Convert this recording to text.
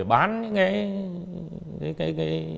bán những cái